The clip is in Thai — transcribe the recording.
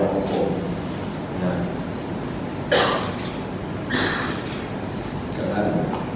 กับท่าน